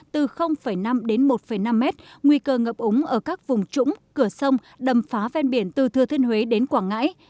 từ năm đến một năm mét nguy cơ ngập úng ở các vùng trũng cửa sông đầm phá ven biển từ thừa thiên huế đến quảng ngãi